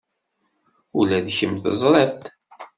Ula d kemm teẓriḍ-t.